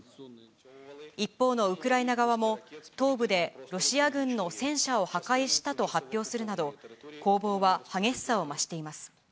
一方のウクライナ側も、東部でロシア軍の戦車を破壊したと発表するなど、攻防は激しさを増しています。